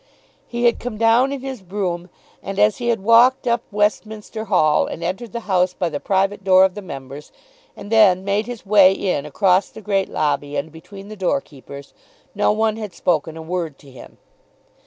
He had come down in his brougham, and as he had walked up Westminster Hall and entered the House by the private door of the members, and then made his way in across the great lobby and between the doorkeepers, no one had spoken a word to him.